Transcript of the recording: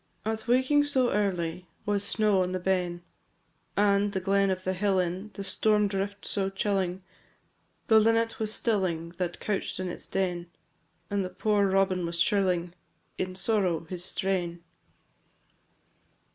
I. At waking so early Was snow on the Ben, And, the glen of the hill in, The storm drift so chilling The linnet was stilling, That couch'd in its den; And poor robin was shrilling In sorrow his strain.